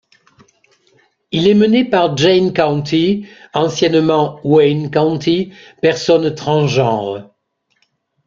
Il est mené par Jayne County, anciennement Wayne County, personne transgenre.